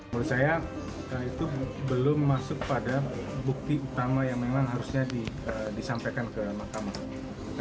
menurut saya itu belum masuk pada bukti utama yang memang harusnya disampaikan ke mahkamah